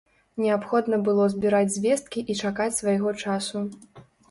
Неабходна было збіраць звесткі і чакаць свайго часу.